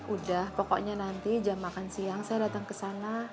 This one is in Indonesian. udah pokoknya nanti jam makan siang saya datang ke sana bawa makan siang ya